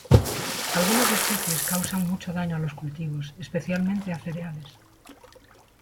Algunas especies causan mucho daño a los cultivos, especialmente a cereales.